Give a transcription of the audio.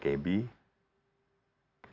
sebenarnya bank nasional